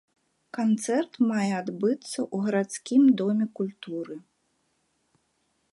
Канцэрт мае адбыцца ў гарадскім доме культуры.